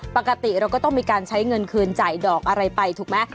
ปกติเราก็ต้องมีการใช้เงินคืนจ่ายดอกอะไรไปถูกไหม